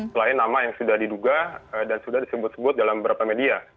selain nama yang sudah diduga dan sudah disebut sebut dalam beberapa media